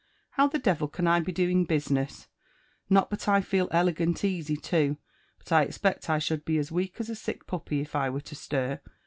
How the devil can I be doing business ? Not but I feel elegant easy too ; but I expect I should be as weajn as a sick puppy if I were to stir.